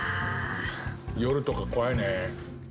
夜とか怖いね。